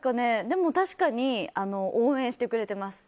でも、確かに応援してくれてます。